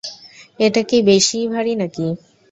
এটা কি বেশিই ভারি না কি?